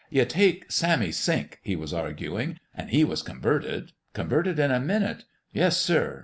" You take Sammy Sink," he was arguing, " an' he was converted. Converted in a minute. Yes, sir.